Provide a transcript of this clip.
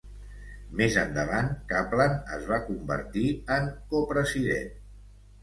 Més endavant, Kaplan es va convertir en copresident.